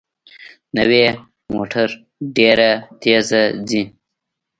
نوې موټر ډېره تېزه ځي